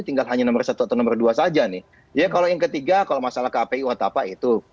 tinggal hanya nomor satu atau nomor dua saja nih ya kalau yang ketiga kalau masalah kpu atau apa itu